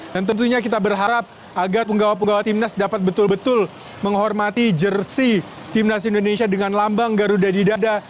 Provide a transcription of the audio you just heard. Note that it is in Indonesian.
dan tentunya kita berharap agar penggawa penggawa timnas dapat betul betul menghormati jersi timnas indonesia dengan lambang garuda di dada